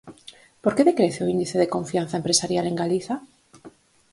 ¿Por que decrece o índice de confianza empresarial en Galiza?